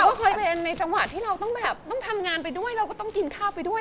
ก็เคยเป็นในจังหวะที่เราต้องแบบต้องทำงานไปด้วยเราก็ต้องกินข้าวไปด้วย